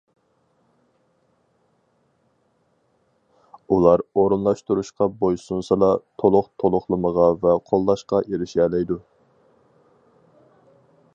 ئۇلار ئورۇنلاشتۇرۇشقا بويسۇنسىلا، تولۇق تولۇقلىمىغا ۋە قوللاشقا ئېرىشەلەيدۇ.